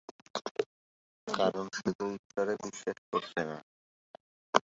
কারণ সে তো ঈশ্বরে বিশ্বাস করছে না।